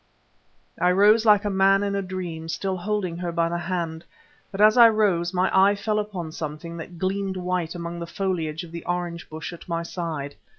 I rose like a man in a dream, still holding her by the hand. But as I rose my eye fell upon something that gleamed white among the foliage of the orange bush at my side.